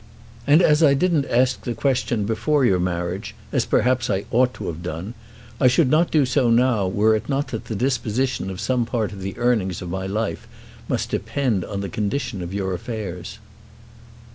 And as I didn't ask the question before your marriage, as perhaps I ought to have done, I should not do so now, were it not that the disposition of some part of the earnings of my life must depend on the condition of your affairs."